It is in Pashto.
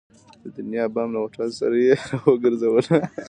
د دنیا بام له هوټل سره یې را وګرځولو.